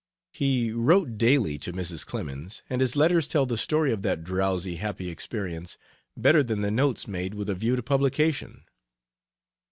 He wrote daily to Mrs. Clemens, and his letters tell the story of that drowsy, happy experience better than the notes made with a view to publication.